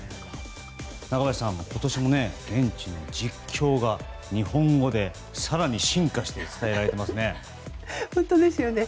中林さん、現地の実況が日本語で更に進化して伝えられていますね。